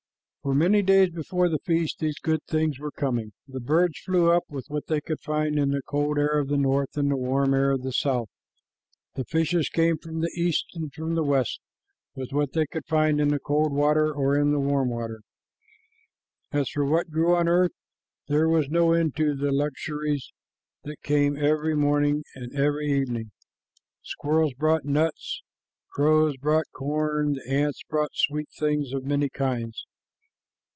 For many days before the feast these good things were coming. The birds flew up with what they could find in the cold air of the north and the warm air of the south. The fishes came from the east and from the west with what they could find in the cold water or in the warm water. As for what grew on the earth, there was no end to the luxuries that came every morning and every evening. Squirrels brought nuts, crows brought corn, the ants brought sweet things of many kinds.